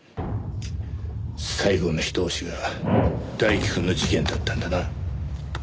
最後のひと押しが大樹くんの事件だったんだな。